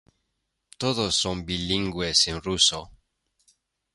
Todos son bilingües en ruso.